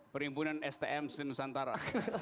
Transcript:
perhimpunan stm sinusantara